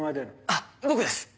あっ僕です。